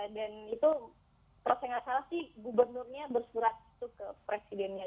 dan itu kalau saya nggak salah sih gubernurnya bersurat itu ke presidennya